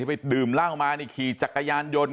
ที่ไปดื่มร่างออกมานี่ขี่จักรยานยนต์